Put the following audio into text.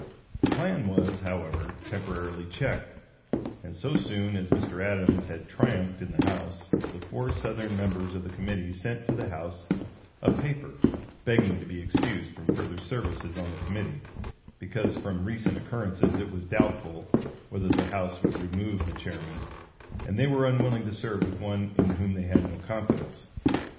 The plan was, however, temporarily checked, and so soon as Mr. Adams had triumphed in the House the four Southern members of the committee sent to the House a paper begging to be excused from further services on the committee, "because from recent occurrences it was doubtful whether the House would remove the chairman, and they were unwilling to serve with one in whom they had no confidence."